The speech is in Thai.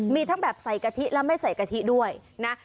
มีทั้งแบบใส่กะทิและไม่ใส่กะทิด้วยนะ